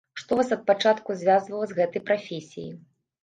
Што вас ад пачатку звязвала з гэтай прафесіяй?